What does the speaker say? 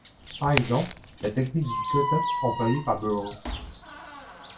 Par exemple, la technique du cut-up employée par Burroughs.